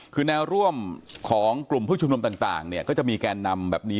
คือแนวร่วมของกลุ่มผู้ชุมนุมต่างเนี่ยก็จะมีแกนนำแบบนี้